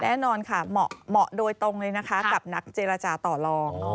แน่นอนค่ะเหมาะโดยตรงเลยนะคะกับนักเจรจาต่อลอง